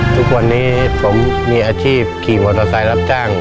ทุกวันนี้ผมมีอาชีพขี่มอเตอร์ไซค์รับจ้าง